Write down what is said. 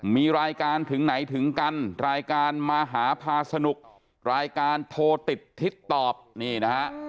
มีรายการถึงไหนถึงกันรายการมหาพาสนุกรายการโทรติดทิศตอบนี่นะฮะ